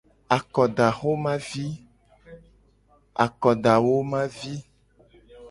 Akodaxomavi.